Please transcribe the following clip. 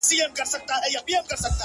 • یا له ستایلو د ښکلیو سوړ یم ,